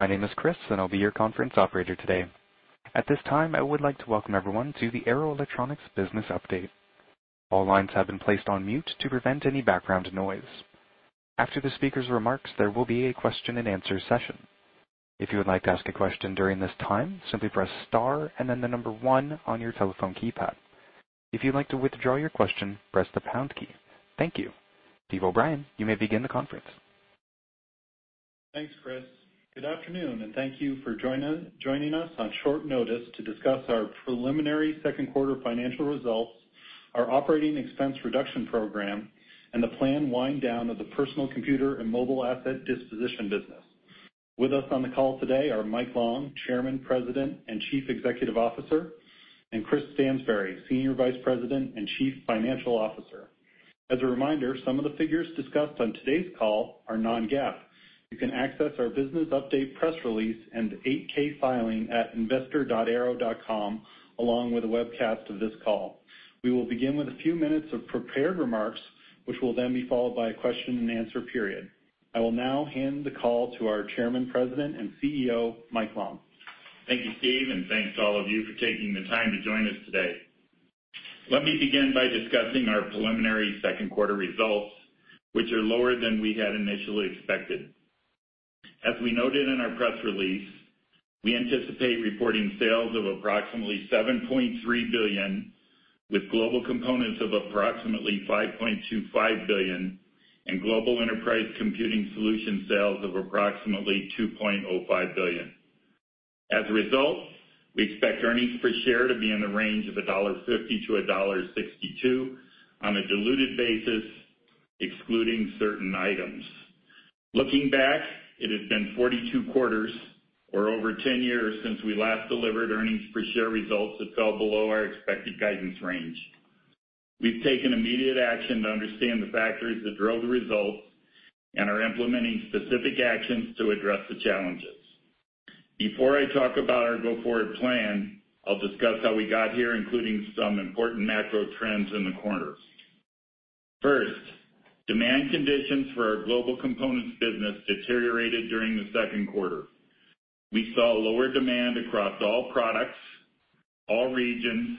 My name is Chris, and I'll be your conference operator today. At this time, I would like to welcome everyone to the Arrow Electronics Business Update. All lines have been placed on mute to prevent any background noise. After the speaker's remarks, there will be a question-and-answer session. If you would like to ask a question during this time, simply press star and then the number one on your telephone keypad. If you'd like to withdraw your question, press the pound key. Thank you. Steve O'Brien, you may begin the conference. Thanks, Chris. Good afternoon, and thank you for joining us on short notice to discuss our preliminary second quarter financial results, our operating expense reduction program, and the planned wind down of the personal computer and mobile asset disposition business. With us on the call today are Mike Long, Chairman, President, and Chief Executive Officer, and Chris Stansbury, Senior Vice President and Chief Financial Officer. As a reminder, some of the figures discussed on today's call are non-GAAP. You can access our business update, press release, and 8-K filing at investor.arrow.com, along with a webcast of this call. We will begin with a few minutes of prepared remarks, which will then be followed by a question-and-answer period. I will now hand the call to our Chairman, President, and CEO, Mike Long. Thank you, Steve, and thanks to all of you for taking the time to join us today. Let me begin by discussing our preliminary second quarter results, which are lower than we had initially expected. As we noted in our press release, we anticipate reporting sales of approximately $7.3 billion, with Global Components of approximately $5.25 billion and Global Enterprise Computing Solutions sales of approximately $2.05 billion. As a result, we expect earnings per share to be in the range of $1.50-$1.62 on a diluted basis, excluding certain items. Looking back, it has been 42 quarters or over 10 years since we last delivered earnings per share results that fell below our expected guidance range. We've taken immediate action to understand the factors that drove the results and are implementing specific actions to address the challenges. Before I talk about our go-forward plan, I'll discuss how we got here, including some important macro trends in the quarters. First, demand conditions for our Global Components business deteriorated during the second quarter. We saw lower demand across all products, all regions,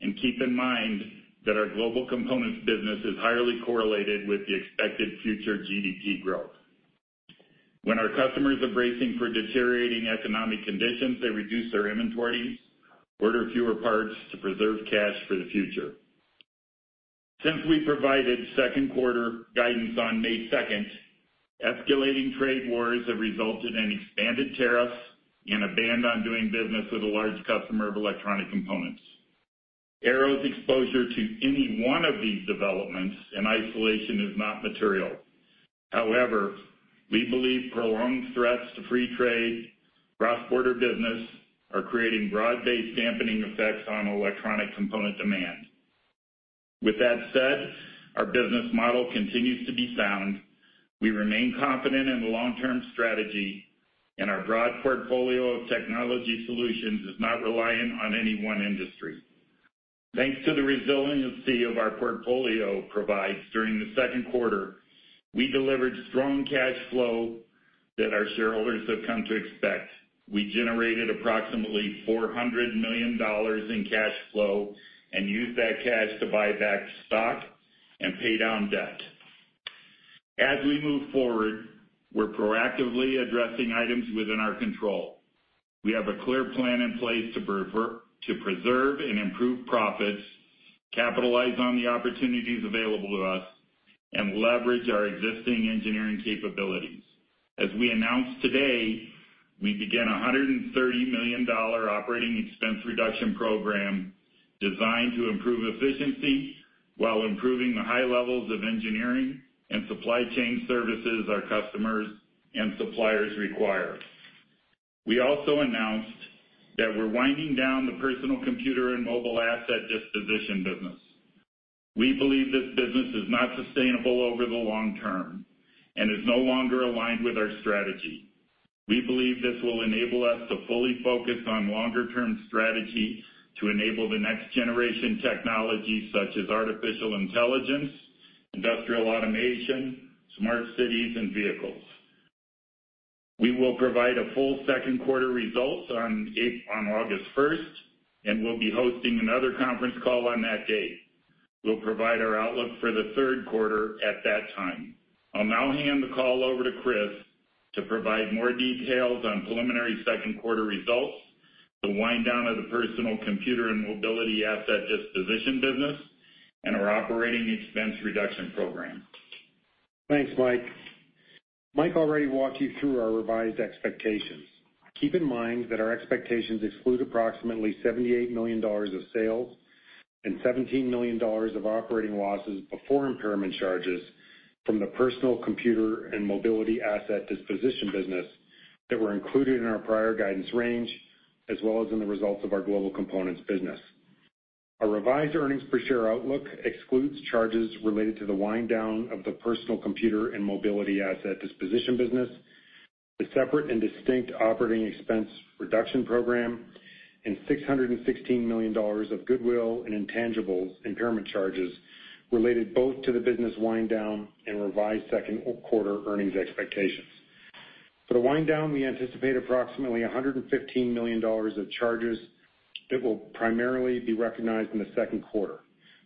and keep in mind that our Global Components business is highly correlated with the expected future GDP growth. When our customers are bracing for deteriorating economic conditions, they reduce their inventories, order fewer parts to preserve cash for the future. Since we provided second quarter guidance on May second, escalating trade wars have resulted in expanded tariffs and a ban on doing business with a large customer of electronic components. Arrow's exposure to any one of these developments in isolation is not material. However, we believe prolonged threats to free trade, cross-border business are creating broad-based dampening effects on electronic component demand. With that said, our business model continues to be sound. We remain confident in the long-term strategy, and our broad portfolio of technology solutions is not reliant on any one industry. Thanks to the resiliency of our portfolio provides during the second quarter, we delivered strong cash flow that our shareholders have come to expect. We generated approximately $400 million in cash flow and used that cash to buy back stock and pay down debt. As we move forward, we're proactively addressing items within our control. We have a clear plan in place to preserve and improve profits, capitalize on the opportunities available to us, and leverage our existing engineering capabilities. As we announced today, we began a $130 million operating expense reduction program designed to improve efficiency while improving the high levels of engineering and supply chain services our customers and suppliers require. We also announced that we're winding down the personal computer and mobile asset disposition business. We believe this business is not sustainable over the long term and is no longer aligned with our strategy. We believe this will enable us to fully focus on longer term strategy to enable the next generation technologies, such as artificial intelligence, industrial automation, smart cities, and vehicles. We will provide a full second quarter results on August first, and we'll be hosting another conference call on that date. We'll provide our outlook for the third quarter at that time. I'll now hand the call over to Chris to provide more details on preliminary second quarter results, the wind down of the personal computer and mobile asset disposition business, and our operating expense reduction program. Thanks, Mike. Mike already walked you through our revised expectations. Keep in mind that our expectations exclude approximately $78 million of sales and $17 million of operating losses before impairment charges from the personal computer and mobility asset disposition business that were included in our prior guidance range, as well as in the results of our Global Components business. Our revised earnings per share outlook excludes charges related to the wind down of the personal computer and mobility asset disposition business, the separate and distinct operating expense reduction program and $616 million of goodwill and intangibles impairment charges related both to the business wind down and revised second quarter earnings expectations. For the wind down, we anticipate approximately $115 million of charges that will primarily be recognized in the second quarter,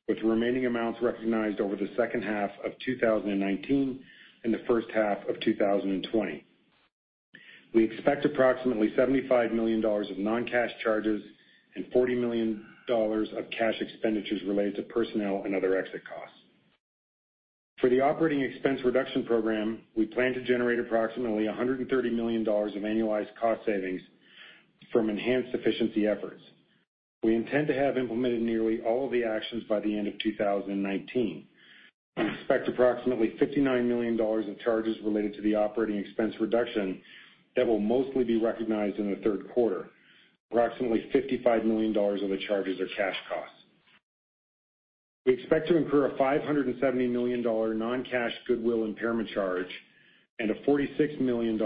with the remaining amounts recognized over the second half of 2019 and the first half of 2020. We expect approximately $75 million of non-cash charges and $40 million of cash expenditures related to personnel and other exit costs. For the operating expense reduction program, we plan to generate approximately $130 million of annualized cost savings from enhanced efficiency efforts. We intend to have implemented nearly all of the actions by the end of 2019. We expect approximately $59 million in charges related to the operating expense reduction that will mostly be recognized in the third quarter. Approximately $55 million of the charges are cash costs. We expect to incur a $570 million non-cash goodwill impairment charge and a $46 million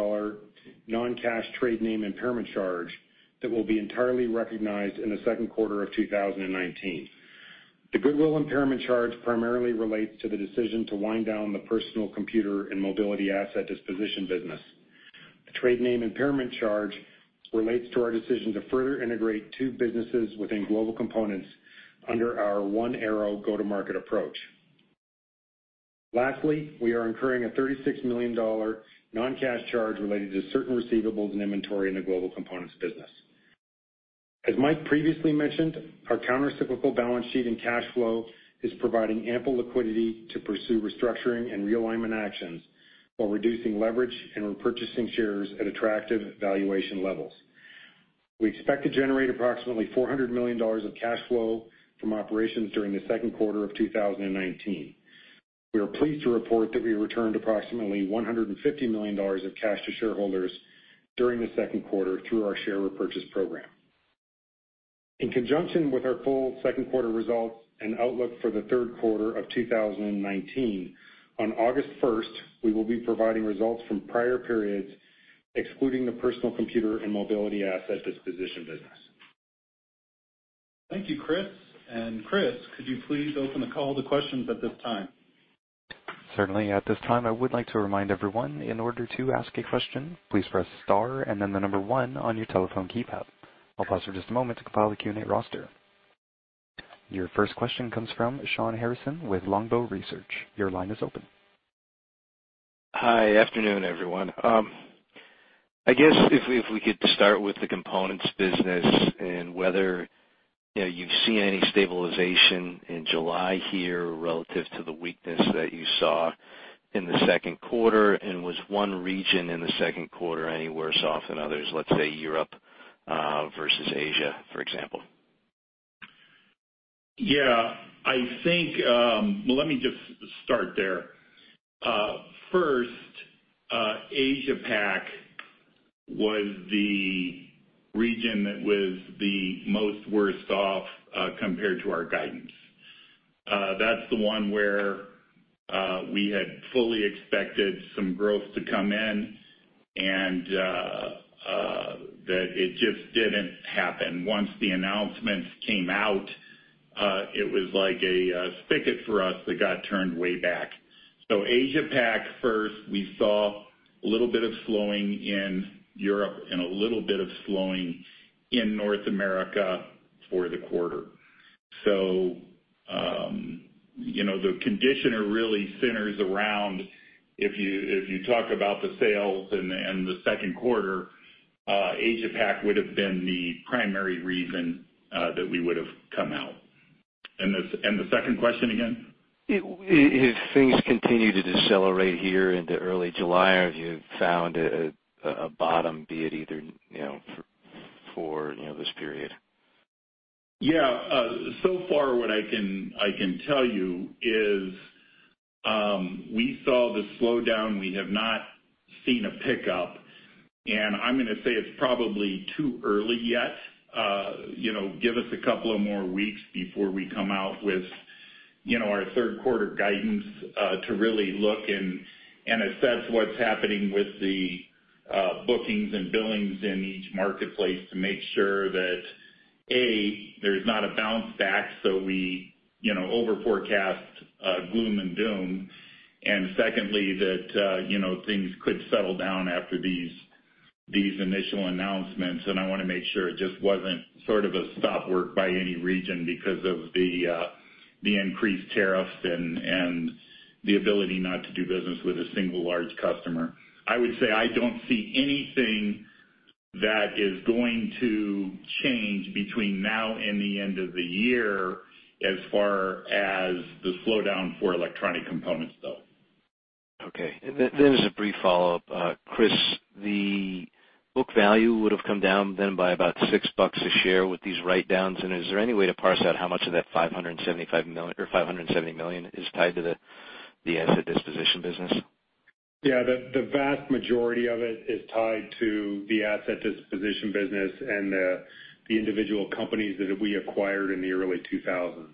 non-cash trade name impairment charge that will be entirely recognized in the second quarter of 2019. The goodwill impairment charge primarily relates to the decision to wind down the personal computer and mobility asset disposition business. The trade name impairment charge relates to our decision to further integrate two businesses within Global Components under our One Arrow go-to-market approach. Lastly, we are incurring a $36 million non-cash charge related to certain receivables and inventory in the Global Components business. As Mike previously mentioned, our countercyclical balance sheet and cash flow is providing ample liquidity to pursue restructuring and realignment actions, while reducing leverage and repurchasing shares at attractive valuation levels. We expect to generate approximately $400 million of cash flow from operations during the second quarter of 2019. We are pleased to report that we returned approximately $150 million of cash to shareholders during the second quarter through our share repurchase program. In conjunction with our full second quarter results and outlook for the third quarter of 2019, on August 1st, we will be providing results from prior periods, excluding the personal computer and mobile asset disposition business. Thank you, Chris. And Chris, could you please open the call to questions at this time? Certainly. At this time, I would like to remind everyone, in order to ask a question, please press star and then the number one on your telephone keypad. I'll pause for just a moment to compile the Q&A roster. Your first question comes from Shawn Harrison with Longbow Research. Your line is open. Hi. Afternoon, everyone. I guess if we could start with the components business and whether, you know, you've seen any stabilization in July here relative to the weakness that you saw in the second quarter, and was one region in the second quarter any worse off than others, let's say Europe, versus Asia, for example? Yeah, I think. Well, let me just start there. First, Asia Pac was the region that was the most worst off compared to our guidance. That's the one where we had fully expected some growth to come in, and that it just didn't happen. Once the announcements came out, it was like a spigot for us that got turned way back. So Asia Pac first, we saw a little bit of slowing in Europe and a little bit of slowing in North America for the quarter. So, you know, the condition there really centers around if you, if you talk about the sales and, and the second quarter, Asia Pac would have been the primary reason that we would have come out. And the, and the second question again? If things continue to decelerate here into early July, have you found a bottom, be it either, you know, for this period? Yeah. So far, what I can tell you is, we saw the slowdown. We have not seen a pickup, and I'm gonna say it's probably too early yet. You know, give us a couple of more weeks before we come out with, you know, our third quarter guidance, to really look and assess what's happening with the bookings and billings in each marketplace to make sure that, A, there's not a bounce back, so we, you know, over forecast gloom and doom. And secondly, that, you know, things could settle down after these initial announcements, and I wanna make sure it just wasn't sort of a stop work by any region because of the increased tariffs and the ability not to do business with a single large customer. I would say I don't see anything that is going to change between now and the end of the year as far as the slowdown for electronic components, though. Okay. Then as a brief follow-up, Chris, the book value would have come down then by about $6 a share with these write-downs. Is there any way to parse out how much of that $575 million or $570 million is tied to the asset disposition business? Yeah. The vast majority of it is tied to the asset disposition business and the individual companies that we acquired in the early 2000s....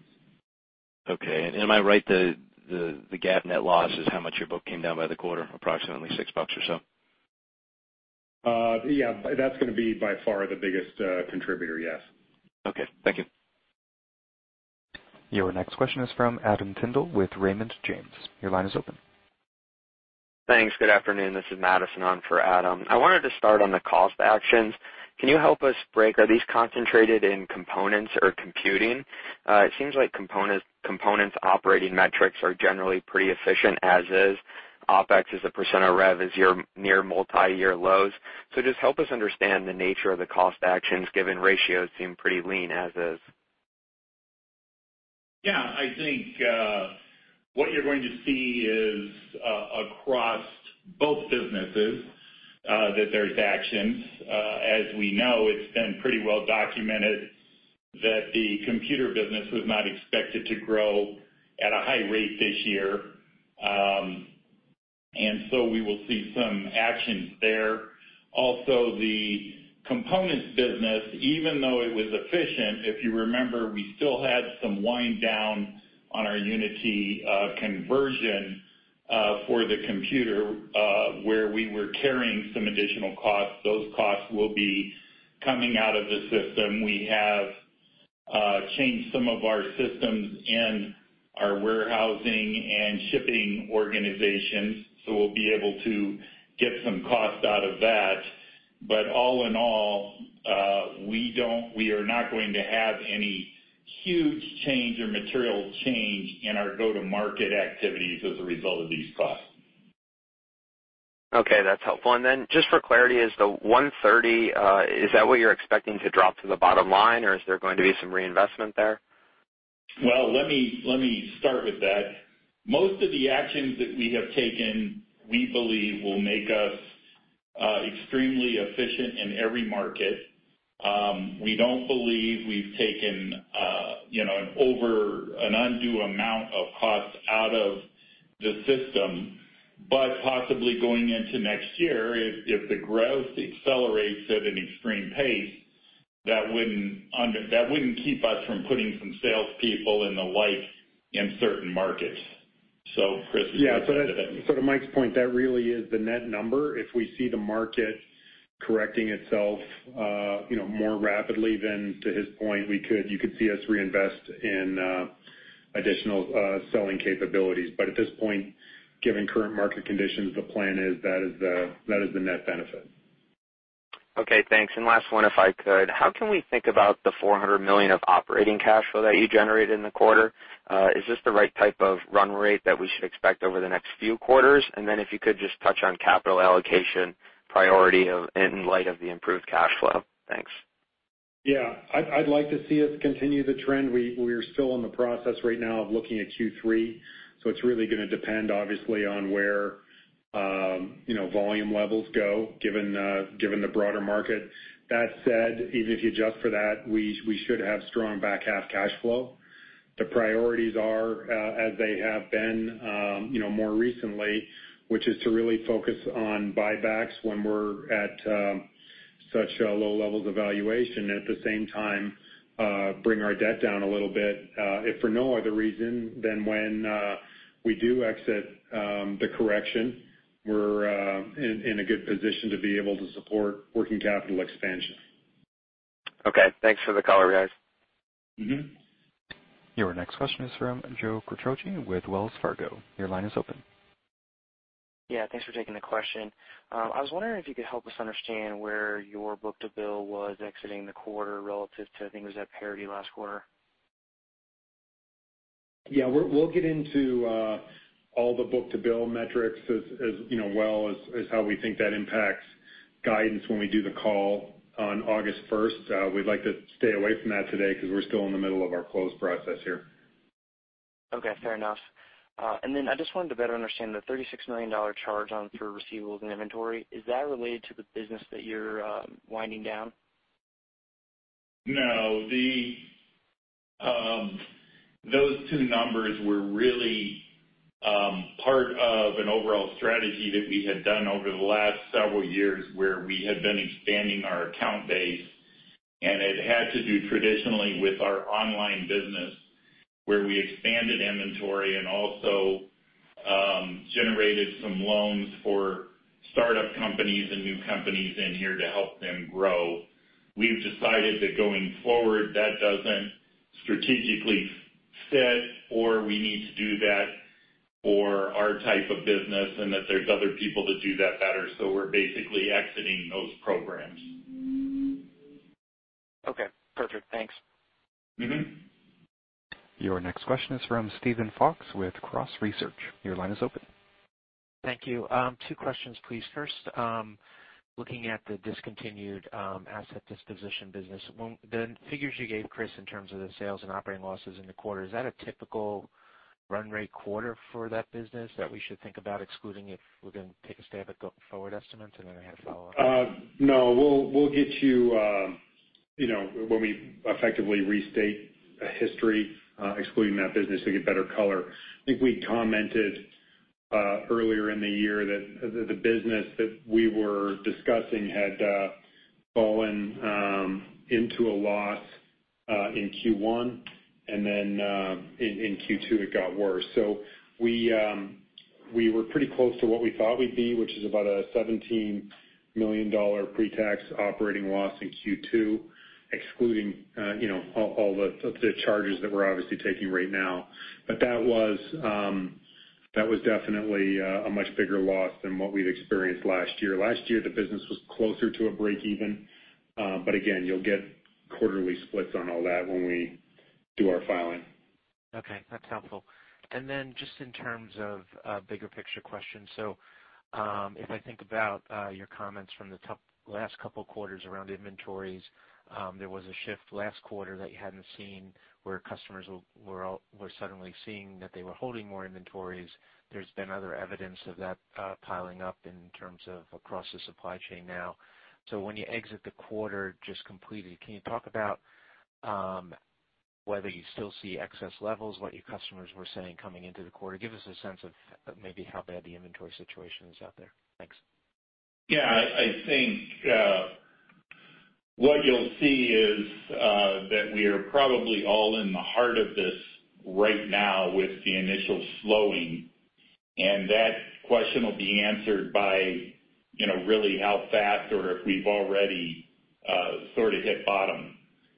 Okay. And am I right, the GAAP net loss is how much your book came down by the quarter, approximately $6 or so? Yeah, that's gonna be by far the biggest contributor, yes. Okay, thank you. Your next question is from Adam Tindle with Raymond James. Your line is open. Thanks. Good afternoon. This is Madison on for Adam. I wanted to start on the cost actions. Can you help us break, are these concentrated in components or computing? It seems like component, components operating metrics are generally pretty efficient as is. OpEx as a percent of rev is your near multi-year lows. So just help us understand the nature of the cost actions, given ratios seem pretty lean as is. Yeah, I think what you're going to see is across both businesses that there's actions. As we know, it's been pretty well documented that the computer business was not expected to grow at a high rate this year. And so we will see some actions there. Also, the components business, even though it was efficient, if you remember, we still had some wind down on our Unity conversion for the computer where we were carrying some additional costs. Those costs will be coming out of the system. We have changed some of our systems in our warehousing and shipping organizations, so we'll be able to get some cost out of that. But all in all, we don't-- we are not going to have any huge change or material change in our go-to-market activities as a result of these costs. Okay, that's helpful. Then just for clarity, is the 130 what you're expecting to drop to the bottom line, or is there going to be some reinvestment there? Well, let me, let me start with that. Most of the actions that we have taken, we believe will make us extremely efficient in every market. We don't believe we've taken, you know, an over, an undue amount of costs out of the system, but possibly going into next year, if the growth accelerates at an extreme pace, that wouldn't—that wouldn't keep us from putting some salespeople and the like in certain markets. So Chris- Yeah, so to Mike's point, that really is the net number. If we see the market correcting itself, you know, more rapidly than to his point, you could see us reinvest in additional selling capabilities. But at this point, given current market conditions, the plan is, that is the net benefit. Okay, thanks. And last one, if I could. How can we think about the $400 million of operating cash flow that you generated in the quarter? Is this the right type of run rate that we should expect over the next few quarters? And then if you could just touch on capital allocation priority in light of the improved cash flow. Thanks. Yeah. I'd like to see us continue the trend. We're still in the process right now of looking at Q3, so it's really gonna depend, obviously, on where, you know, volume levels go, given the broader market. That said, even if you adjust for that, we should have strong back half cash flow. The priorities are, as they have been, you know, more recently, which is to really focus on buybacks when we're at such low levels of valuation. At the same time, bring our debt down a little bit, if for no other reason than when we do exit the correction, we're in a good position to be able to support working capital expansion. Okay, thanks for the color, guys. Mm-hmm. Your next question is from Joe Quattrocchi with Wells Fargo. Your line is open. Yeah, thanks for taking the question. I was wondering if you could help us understand where your book-to-bill was exiting the quarter relative to, I think it was at parity last quarter. Yeah, we'll get into all the book-to-bill metrics as you know, as well as how we think that impacts guidance when we do the call on August 1st. We'd like to stay away from that today because we're still in the middle of our close process here. Okay, fair enough. And then I just wanted to better understand the $36 million charge on through receivables and inventory. Is that related to the business that you're winding down? No, those two numbers were really part of an overall strategy that we had done over the last several years, where we had been expanding our account base, and it had to do traditionally with our online business, where we expanded inventory and also generated some loans for startup companies and new companies in here to help them grow. We've decided that going forward, that doesn't strategically fit, or we need to do that for our type of business and that there's other people that do that better, so we're basically exiting those programs. Okay, perfect. Thanks. Mm-hmm. Your next question is from Steven Fox with Cross Research. Your line is open. Thank you. Two questions, please. First, looking at the discontinued asset disposition business, the figures you gave Chris, in terms of the sales and operating losses in the quarter, is that a typical run rate quarter for that business that we should think about excluding it if we're gonna take a stab at go forward estimates? And then I have a follow-up. No. We'll get you, you know, when we effectively restate a history, excluding that business to get better color. I think we commented earlier in the year that the business that we were discussing had fallen into a loss in Q1, and then in Q2, it got worse. So we were pretty close to what we thought we'd be, which is about a $17 million pretax operating loss in Q2, excluding, you know, all the charges that we're obviously taking right now. But that was definitely a much bigger loss than what we'd experienced last year. Last year, the business was closer to a break even, but again, you'll get quarterly splits on all that when we do our filing. Okay, that's helpful. And then just in terms of a bigger picture question. If I think about your comments from the top last couple of quarters around inventories, there was a shift last quarter that you hadn't seen, where customers were suddenly seeing that they were holding more inventories. There's been other evidence of that piling up in terms of across the supply chain now. So when you exit the quarter just completely, can you talk about whether you still see excess levels, what your customers were saying coming into the quarter? Give us a sense of maybe how bad the inventory situation is out there. Thanks. Yeah, I think what you'll see is that we are probably all in the heart of this right now with the initial slowing, and that question will be answered by, you know, really how fast or if we've already sort of hit bottom.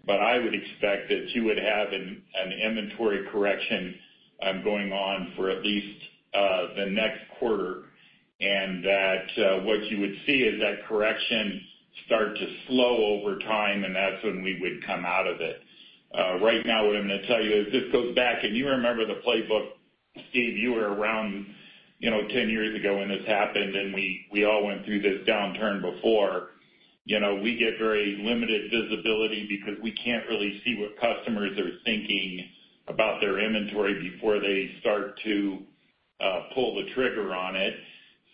But I would expect that you would have an inventory correction going on for at least the next quarter, and that what you would see is that correction start to slow over time, and that's when we would come out of it. Right now, what I'm going to tell you is this goes back, and you remember the playbook, Steve, you were around, you know, 10 years ago when this happened, and we all went through this downturn before. You know, we get very limited visibility because we can't really see what customers are thinking about their inventory before they start to pull the trigger on it.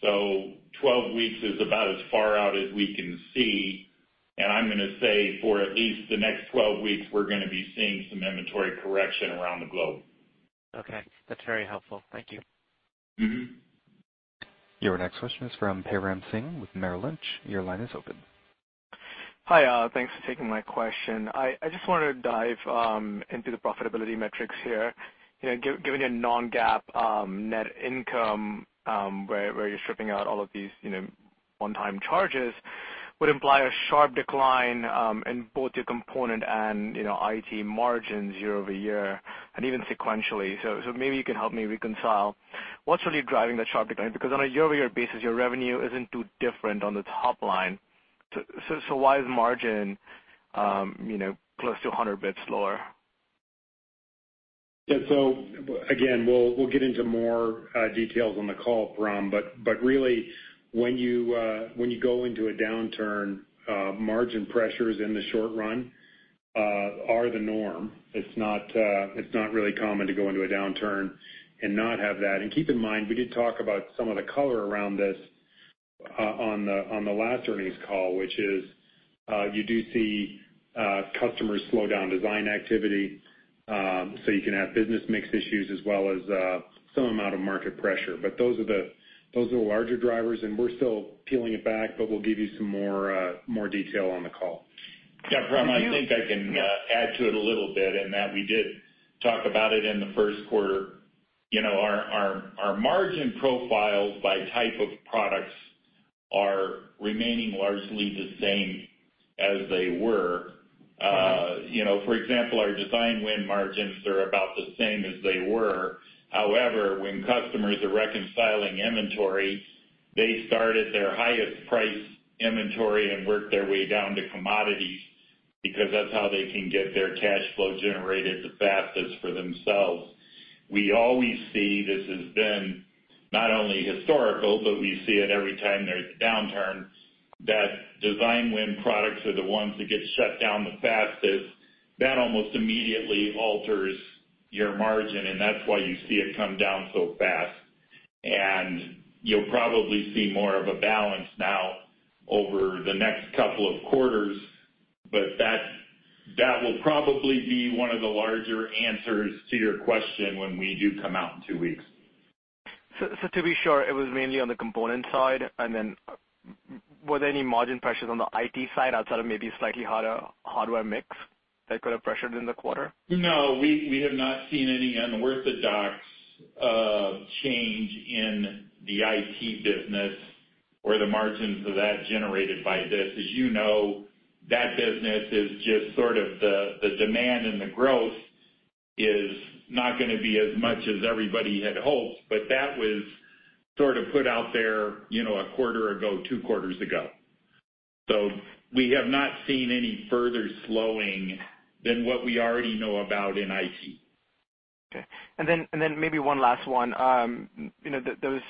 So 12 weeks is about as far out as we can see, and I'm gonna say for at least the next 12 weeks, we're gonna be seeing some inventory correction around the globe. Okay, that's very helpful. Thank you. Mm-hmm. Your next question is from Param Singh with Merrill Lynch. Your line is open. Hi, thanks for taking my question. I just wanted to dive into the profitability metrics here. You know, giving a non-GAAP net income where you're stripping out all of these, you know, one-time charges, would imply a sharp decline in both your component and IT margins year-over-year, and even sequentially. So maybe you could help me reconcile what's really driving the sharp decline? Because on a year-over-year basis, your revenue isn't too different on the top line. So why is margin, you know, close to 100 basis points lower? Yeah, so again, we'll get into more details on the call, Param, but really, when you go into a downturn, margin pressures in the short run are the norm. It's not really common to go into a downturn and not have that. And keep in mind, we did talk about some of the color around this on the last earnings call, which is you do see customers slow down design activity, so you can have business mix issues as well as some amount of market pressure. But those are the larger drivers, and we're still peeling it back, but we'll give you some more detail on the call. Yeah, Param, I think I can add to it a little bit, in that we did talk about it in the first quarter. You know, our margin profiles by type of products are remaining largely the same as they were. You know, for example, our design win margins are about the same as they were. However, when customers are reconciling inventory, they start at their highest price inventory and work their way down to commodities because that's how they can get their cash flow generated the fastest for themselves. We always see this has been not only historical, but we see it every time there's a downturn, that design win products are the ones that get shut down the fastest. That almost immediately alters your margin, and that's why you see it come down so fast. You'll probably see more of a balance now over the next couple of quarters, but that will probably be one of the larger answers to your question when we do come out in two weeks. So, to be sure, it was mainly on the component side, and then were there any margin pressures on the IT side outside of maybe slightly harder hardware mix that could have pressured in the quarter? No, we have not seen any unorthodox change in the IT business or the margins of that generated by this. As you know, that business is just sort of the demand and the growth is not gonna be as much as everybody had hoped, but that was sort of put out there, you know, a quarter ago, two quarters ago. So we have not seen any further slowing than what we already know about in IT. Okay. And then, and then maybe one last one. You know, there, there was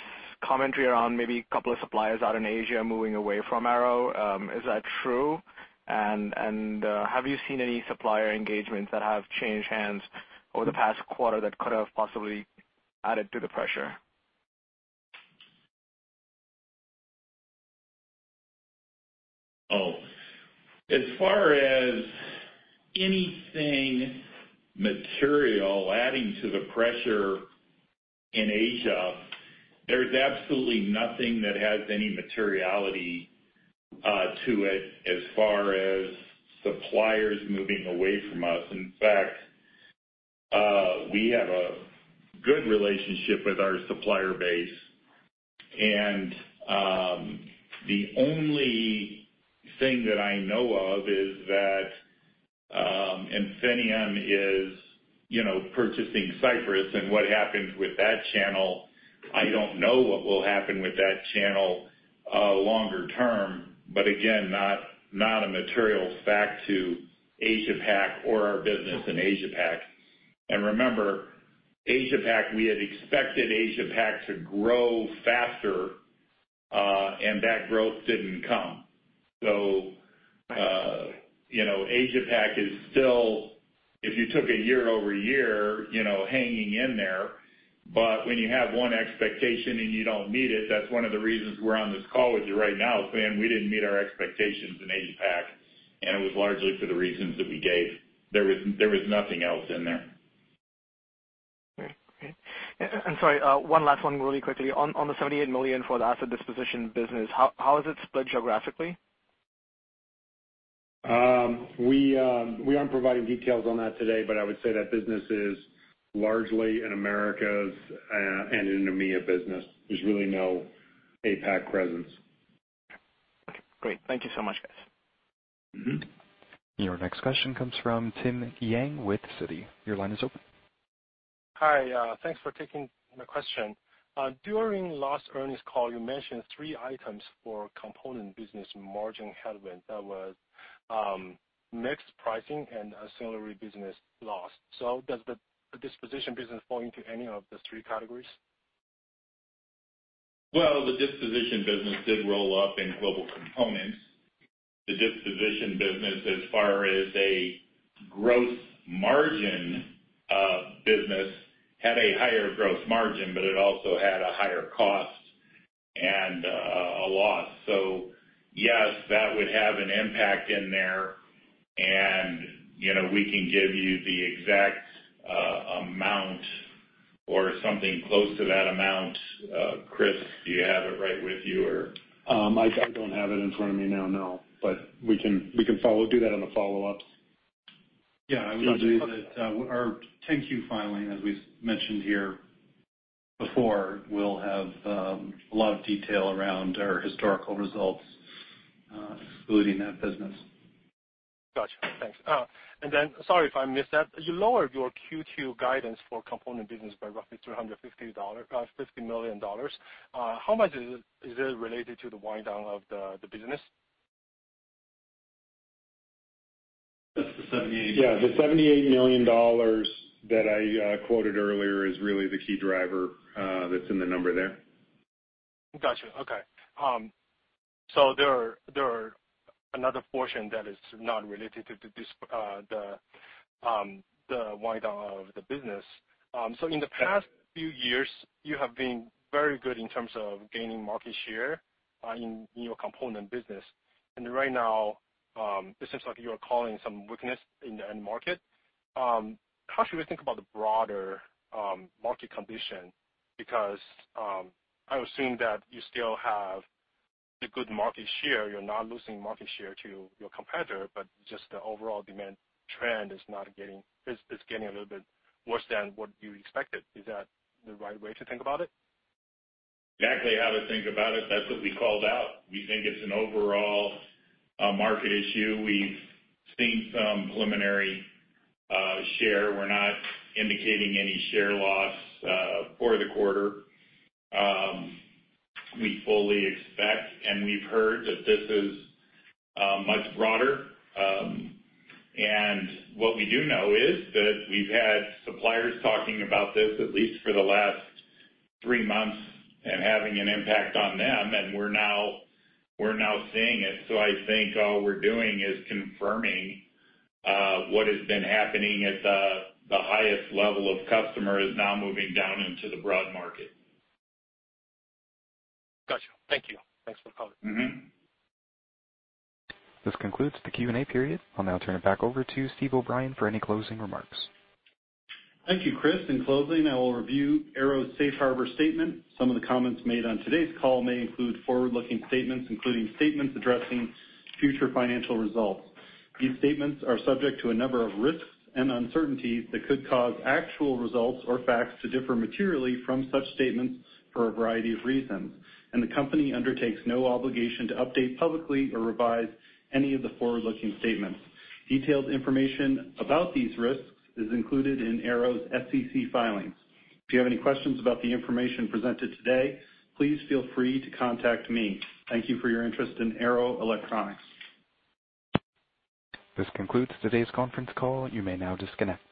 commentary around maybe a couple of suppliers out in Asia moving away from Arrow. Is that true? And, and, have you seen any supplier engagements that have changed hands over the past quarter that could have possibly added to the pressure? ... Oh, as far as anything material adding to the pressure in Asia, there's absolutely nothing that has any materiality to it as far as suppliers moving away from us. In fact, we have a good relationship with our supplier base, and the only thing that I know of is that Infineon is, you know, purchasing Cypress, and what happens with that channel, I don't know what will happen with that channel longer term, but again, not a material fact to Asia Pac or our business in Asia Pac. And remember, Asia Pac, we had expected Asia Pac to grow faster, and that growth didn't come. So, you know, Asia Pac is still, if you took a year-over-year, you know, hanging in there, but when you have one expectation and you don't meet it, that's one of the reasons we're on this call with you right now, is saying we didn't meet our expectations in Asia Pac, and it was largely for the reasons that we gave. There was nothing else in there. Great. Great. And sorry, one last one really quickly. On the $78 million for the asset disposition business, how is it split geographically? We aren't providing details on that today, but I would say that business is largely in Americas, and in EMEA business. There's really no APAC presence. Okay, great. Thank you so much, guys. Mm-hmm. Your next question comes from Tim Yang with Citi. Your line is open. Hi, thanks for taking my question. During last earnings call, you mentioned three items for component business margin headwind. That was, mixed pricing and ancillary business loss. So does the disposition business fall into any of those three categories? Well, the disposition business did roll up in Global Components. The disposition business, as far as a gross margin business, had a higher gross margin, but it also had a higher cost and a loss. So yes, that would have an impact in there and, you know, we can give you the exact amount or something close to that amount. Chris, do you have it right with you, or? I don't have it in front of me now, no, but we can follow up, do that on the follow-up. Yeah, I would add that, our 10-Q filing, as we've mentioned here before, will have a lot of detail around our historical results, excluding that business. Gotcha. Thanks. And then, sorry if I missed that. You lowered your Q2 guidance for component business by roughly $50 million. How much is it related to the wind down of the business? That's the 78. Yeah, the $78 million that I quoted earlier is really the key driver, that's in the number there. Gotcha. Okay. So there are another portion that is not related to this, the wind down of the business. So in the past few years, you have been very good in terms of gaining market share in your component business. And right now, it seems like you are calling some weakness in the end market. How should we think about the broader market condition? Because I would assume that you still have the good market share. You're not losing market share to your competitor, but just the overall demand trend is not getting... It's getting a little bit worse than what you expected. Is that the right way to think about it? Exactly how to think about it. That's what we called out. We think it's an overall market issue. We've seen some preliminary share. We're not indicating any share loss for the quarter. We fully expect, and we've heard, that this is much broader. And what we do know is that we've had suppliers talking about this at least for the last three months, and having an impact on them, and we're now seeing it. So I think all we're doing is confirming what has been happening at the highest level of customers now moving down into the broad market. Gotcha. Thank you. Thanks for the call. Mm-hmm. This concludes the Q&A period. I'll now turn it back over to Steve O’Brien for any closing remarks. Thank you, Chris. In closing, I will review Arrow's Safe Harbor statement. Some of the comments made on today's call may include forward-looking statements, including statements addressing future financial results. These statements are subject to a number of risks and uncertainties that could cause actual results or facts to differ materially from such statements for a variety of reasons. The company undertakes no obligation to update publicly or revise any of the forward-looking statements. Detailed information about these risks is included in Arrow's SEC filings. If you have any questions about the information presented today, please feel free to contact me. Thank you for your interest in Arrow Electronics. This concludes today's conference call. You may now disconnect.